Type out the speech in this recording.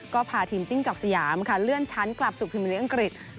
ก็พาทีมจิ้งจอกสยามค่ะเลื่อนชั้นกลับสู่พิมพลิกอังกฤษ